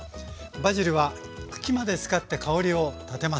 バジルは茎まで使って香りを立てます。